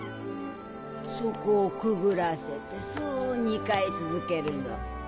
そこをくぐらせてそう２回続けるの。